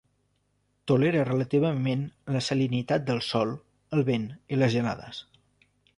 Tolera relativament la salinitat del sòl, el vent i les gelades.